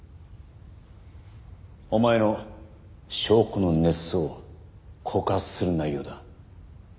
お前の証拠の捏造を告発する内容だ。